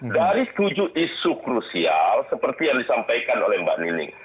dari tujuh isu krusial seperti yang disampaikan oleh mbak nining